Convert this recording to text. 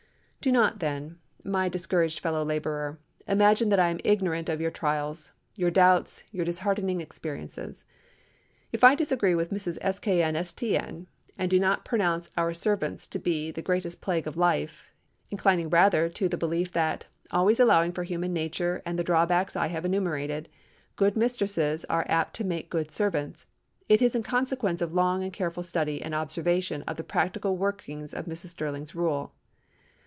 Do not, then, my discouraged fellow laborer, imagine that I am ignorant of your trials, your doubts, your disheartening experiences. If I disagree with Mrs. S k n s t n and do not pronounce our servants to be the greatest plague of life, inclining rather to the belief that—always allowing for human nature and the drawbacks I have enumerated—good mistresses are apt to make good servants, it is in consequence of long and careful study and observation of the practical working of Mrs. Sterling's rule.